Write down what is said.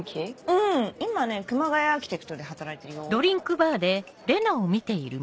うん今ね熊谷アーキテクトで働いてるよ。